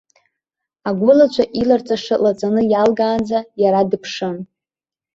Агәылацәа иларҵаша лаҵаны иалгаанӡа, иара дыԥшын.